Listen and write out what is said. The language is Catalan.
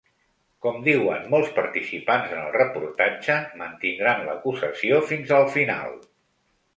Com diuen molts participants en el reportatge, mantindran l’acusació fins al final.